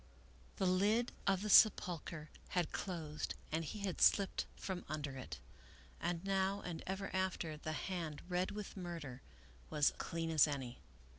The lid of the sepulcher had closed and he had slipped from under it. And now, and ever after, the hand red with murder was clean as any.